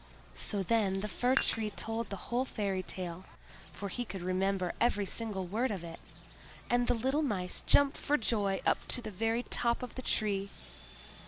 So then the Fir tree told the whole fairy tale, for he could remember every single word of it; and the little Mice jumped for joy up to the very top of the Tree.